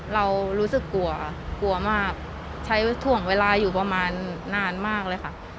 เรารู้สึกกลัวกลัวมากใช้ถ่วงเวลาอยู่ประมาณนานมากเลยค่ะ